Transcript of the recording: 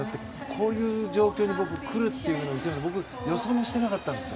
こういう状況に来るっていうのを全然予想もしていなかったんです。